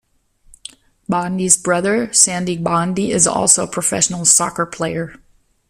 Gbandi's brother, Sandy Gbandi, is also a professional soccer player.